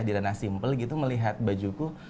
di ranah simple gitu melihat bajuku